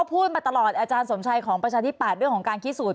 พูดมาตลอดอาจารย์สมชัยของประชาธิปัตย์เรื่องของการคิดสูจน